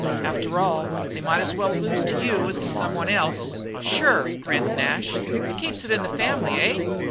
"After all, they might as well lose it to you as to someone else." "Sure," grinned Nash, "it keeps it in the family, eh?"